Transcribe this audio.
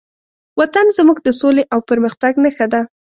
وطن زموږ د سولې او پرمختګ نښه ده.